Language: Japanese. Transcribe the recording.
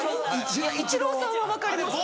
イチローさんは分かります。